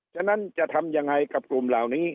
ฉะนั้นจะทำยังไงกับกลุ่มเหล่านี้